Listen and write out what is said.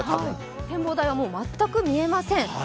展望台は全く見えません。